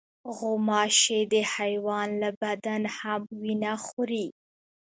غوماشې د حیوان له بدن هم وینه خوري.